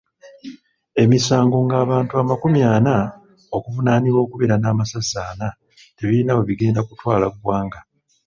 Emisango ng‘abantu amakumi ana okuvunaanibwa okubeera n'amasasi anat ebirina we bigenda kutwala ggwanga .